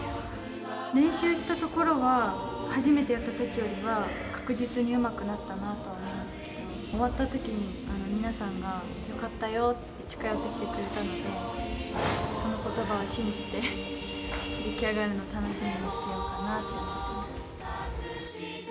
練習したところは、初めてやったときよりは確実にうまくなったなとは思いますけど、終わったときに、皆さんがよかったよって近寄ってきてくれたので、そのことばを信じて、出来上がるのを楽しみにしてようかなと思ってます。